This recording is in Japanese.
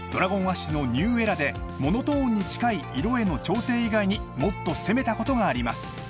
［ＤｒａｇｏｎＡｓｈの『ＮｅｗＥｒａ』でモノトーンに近い色への調整以外にもっと攻めたことがあります］